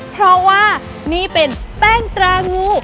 เพราะว่านี่เป็นแป้งตรางู